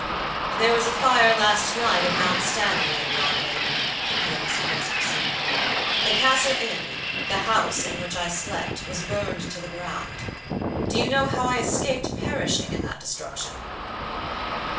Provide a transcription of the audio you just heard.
"There was a fire last night at Mount Stanning, Lady Audley," the pitiless voice proceeded; "the Castle Inn, the house in which I slept, was burned to the ground. Do you know how I escaped perishing in that destruction?"